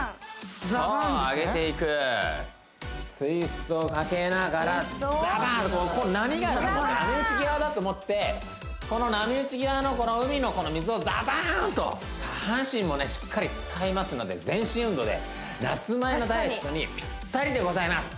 そう上げていくツイストをかけながらザバーンと波があると思って波打ち際だと思ってこの波打ち際のこの海の水をザバーンと下半身もしっかり使いますので全身運動で夏前のダイエットにぴったりでございます！